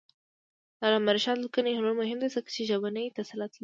د علامه رشاد لیکنی هنر مهم دی ځکه چې ژبنی تسلط لري.